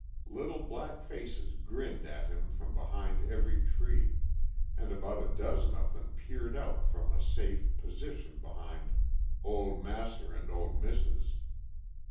Little black faces grinned at him from behind every tree, and about a dozen of them peered out from a safe position behind "ole mas'r and ole missus."